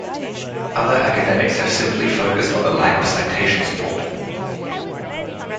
Other academics have simply focused on the lack of citation support.